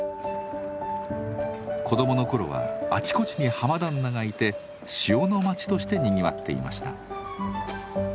子供の頃はあちこちに浜旦那がいて塩の町としてにぎわっていました。